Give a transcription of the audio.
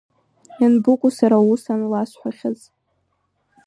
Ианбыкәу сара ус анласҳәахьаз?